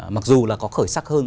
mặc dù là có khởi sắc hơn